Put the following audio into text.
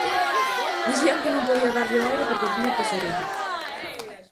Dicían que non podía darlle o aire porque tiña pezorellos.